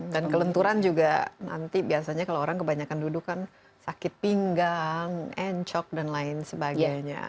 dan kelenturan juga nanti biasanya kalau orang kebanyakan duduk kan sakit pinggang encok dan lain sebagainya